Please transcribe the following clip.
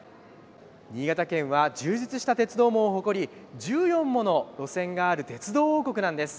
新潟県は充実した鉄道網を誇り１４もの路線がある鉄道王国なんです！